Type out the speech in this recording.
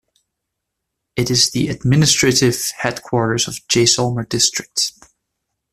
It is the administrative headquarters of Jaisalmer District.